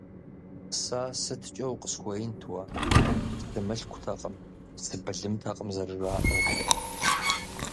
Сэ сыткӀэ укъысхуеинт уэ, сымылъкутэкъым, сыбылымтэкъым, зэрыжаӀэу.